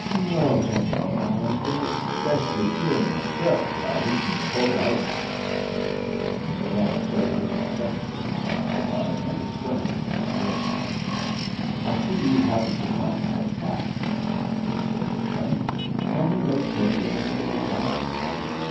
"Mwell, General, I don't specially kyeer meself 'bout eatin' the hull outfit." Mr. Long showed his respect for the General by never swearing in his presence. "I see you haven't forgotten how to pack," Crook said to him. "Can we make Snake River to day, Jack?"